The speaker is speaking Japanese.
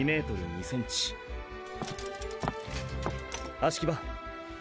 葦木場。